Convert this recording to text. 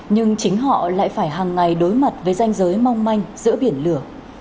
nhưng chính họ lại phải hàng ngày đối mặt với danh giới mong manh giữa biển lửa